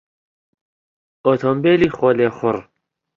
ئۆتۆمبێلی خۆلێخوڕ